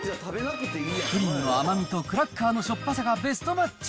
プリンの甘みとクラッカーのしょっぱさがベストマッチ。